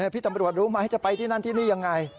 พี่ตำรวจรู้ไหมจะไปที่นั่นที่นี่ยังไง